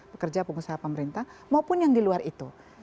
pekerja pengusaha pemerintah maupun yang di luar itu